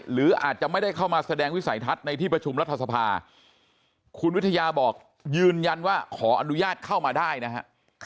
หรืออาจจะไม่ได้เข้ามาแสดงวิสัยทัศน์ในที่ประชุมรัฐสภาคุณวิทยาบอกยืนยันว่าขออนุญาตเข้ามาได้นะฮะ